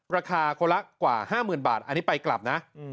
ราคาคนละกว่า๕๐๐๐บาทอันนี้ไปกลับนะ